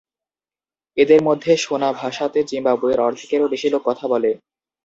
এদের মধ্যে শোনা ভাষাতে জিম্বাবুয়ের অর্ধেকেরও বেশি লোক কথা বলে।